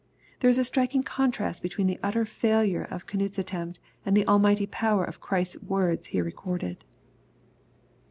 There is a striking contrast between the utter failure of Canute's attempt and the almighty power of Christ's words here recorded.